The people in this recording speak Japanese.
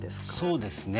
そうですね。